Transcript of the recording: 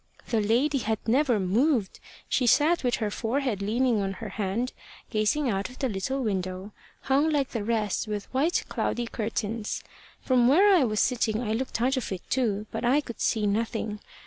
"The lady had never moved. She sat with her forehead leaning on her hand, gazing out of the little window, hung like the rest with white cloudy curtains. From where I was sitting I looked out of it too, but I could see nothing.